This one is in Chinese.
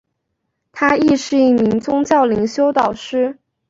她亦是一名宗教灵修导师。